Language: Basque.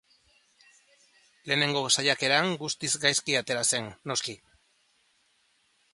Lehenengo saiakeran guztiz gaizki atera zen, noski.